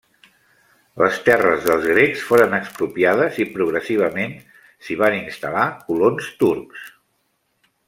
Les terres dels grecs foren expropiades i progressivament s'hi van instal·lar colons turcs.